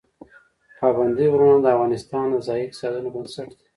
پابندی غرونه د افغانستان د ځایي اقتصادونو بنسټ دی.